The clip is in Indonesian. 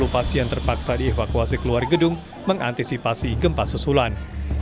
dua puluh pasien terpaksa dievakuasi keluar gedung mengantisipasi gempa susulan